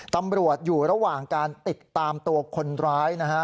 ตำรวจอยู่ระหว่างการติดตามตัวคนร้ายนะฮะ